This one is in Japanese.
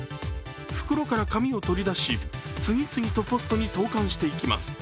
袋から紙を取り出し、次々とポストに投かんしていきます。